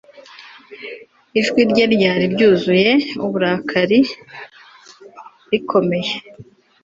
Ijwi rye ryari ryuzuye uburakari rikomeye